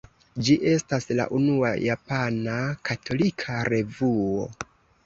Ĝi estas la unua japana katolika revuo.